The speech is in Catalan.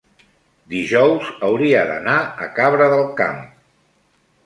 dijous hauria d'anar a Cabra del Camp.